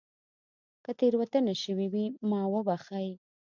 که تېروتنه شوې وي ما وبښئ